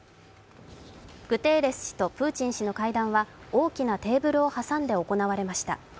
グテーレス氏とプーチン氏の会談は、大きなテーブルを挟んで行われました。